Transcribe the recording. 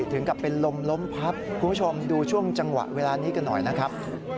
ถึงกับเป็นลมล้มพับคุณผู้ชมดูช่วงจังหวะเวลานี้กันหน่อยนะครับ